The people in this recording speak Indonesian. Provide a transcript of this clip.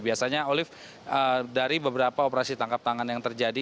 biasanya olive dari beberapa operasi tangkap tangan yang terjadi